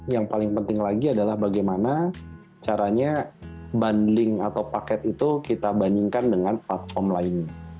yang paling penting lagi adalah bagaimana caranya bundling atau paket itu kita bandingkan dengan platform lainnya